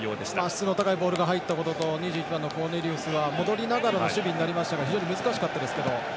質の高いボールが入ったことと２１番のコーネリウスは戻りながらの守備になりましたが非常に難しかったですけども。